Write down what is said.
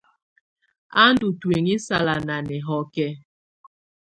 Á ndù ntuinyii sala nà nɛhɔkɛ.